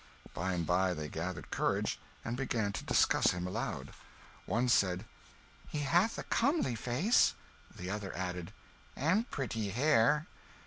By and by they gathered courage and began to discuss him aloud. One said "He hath a comely face." The other added "And pretty hair."